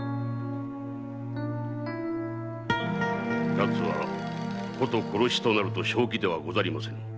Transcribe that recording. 奴は殺しとなると正気ではござりませぬ。